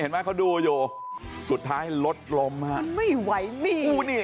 เห็นมั้ยเขาดูอยู่สุดท้ายลดลมมามันไม่ไหวนี่